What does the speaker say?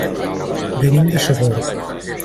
Venim de Sogorb.